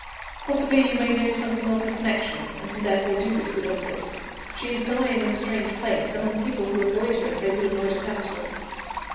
Possibly, you may know something of her connections, and can therefore do this good office. She is dying in a strange place, among people who avoid her as they would avoid a pestilence.